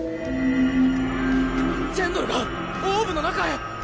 ジェンドルがオーブの中へ！